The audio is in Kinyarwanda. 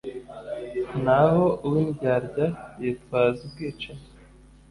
Naho uw’indyarya yitwaza ubwicanyi;